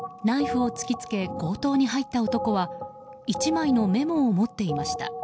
ナイフを突きつけ強盗に入った男は１枚のメモを持っていました。